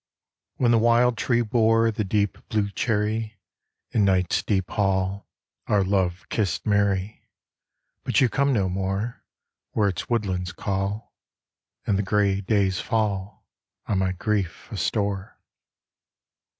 When the wild tree bore The deep blue cherry, In night's deep hall 179 i8o NOCTURNE Our love kissed merry. But you come no more Where its woodlands call, And the grey days fall On my grief, Astore!